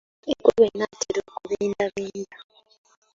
Enkuba enaatera okubindabinda.